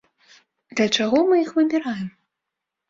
Для чаго мы іх выбіраем?